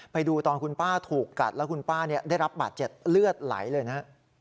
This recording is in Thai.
ไปดูตอนคุณป้าถูกกัดแล้วคุณป้าได้รับบาดเจ็บเลือดไหลเลยนะฮะ